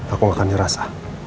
aku gak akan nyerasa